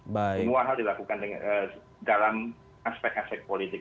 semua hal dilakukan dalam aspek aspek politik